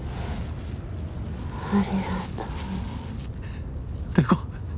ありがとう玲子